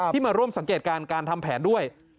มาร่วมสังเกตการณ์การทำแผนด้วย